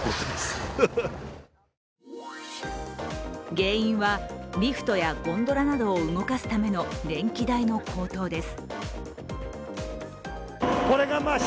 原因はリフトやゴンドラを動かすための電気代の高騰です。